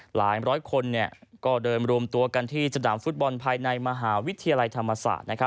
หลายร้อยคนก็เดินรวมตัวกันที่สนามฟุตบอลภายในมหาวิทยาลัยธรรมศาสตร์